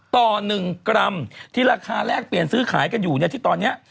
ต่อ๑กรัมที่ราคาแลกเปลี่ยนซื้อขายกันอยู่เนี่ยที่ตอนนี้